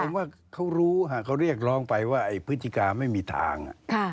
ผมว่าเขารู้เขาเรียกร้องไปว่าไอ้พฤศจิกาไม่มีทาง